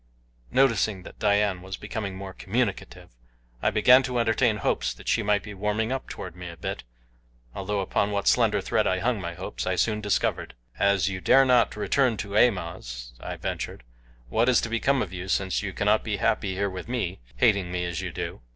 Noticing that Dian was becoming more communicative I began to entertain hopes that she might be warming up toward me a bit, although upon what slender thread I hung my hopes I soon discovered. "As you dare not return to Amoz," I ventured, "what is to become of you since you cannot be happy here with me, hating me as you do?"